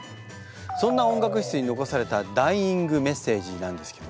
そんな音楽室に残されたダイイングメッセージなんですけどね。